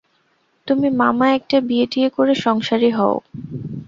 তুমি মামা একটা বিয়েটিয়ে করে সংসারী হও।